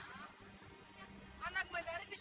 udah deh ikut